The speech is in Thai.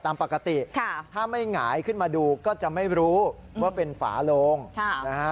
ตามปกติค่ะถ้าไม่หงายขึ้นมาดูก็จะไม่รู้ว่าเป็นฝาโลงนะฮะ